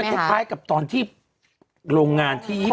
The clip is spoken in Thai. จริงแล้วมันคล้ายกับตอนที่โรงงานที่ญี่ปุ่น